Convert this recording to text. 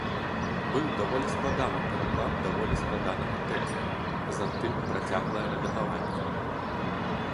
Быў даволі складаны пераклад даволі складанага тэксту, затым працяглае рэдагаванне.